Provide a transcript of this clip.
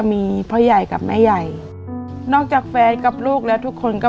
มีพ่อใหญ่กับแม่ใหญ่นอกจากแฟนกับลูกแล้วทุกคนก็